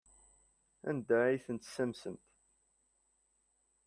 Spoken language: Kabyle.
Anda ay tent-tessamsemt?